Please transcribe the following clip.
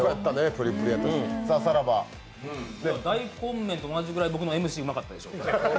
大根麺と同じぐらい僕のＭＣうまかったでしょ。